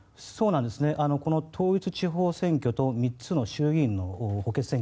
この統一地方選挙と３つの大きな衆議院選挙